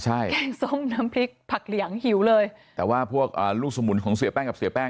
ใช่แกงส้มน้ำพริกผักเหลียงหิวเลยแต่ว่าพวกอ่าลูกสมุนของเสียแป้งกับเสียแป้ง